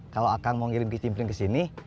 kalau akang mau ngirim kici pring ke sini